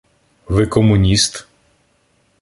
— Ви комуніст?